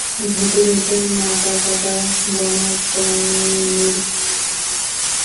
ঝোপে ঝোপে নাটা-কাঁটা, বনকলমির ফুল ধরিয়াছে।